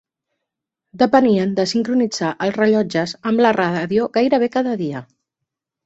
Depenien de sincronitzar els rellotges amb la ràdio gairebé cada dia.